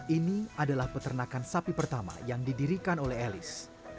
ini adalah peternakan sapi pertama yang didirikan oleh elis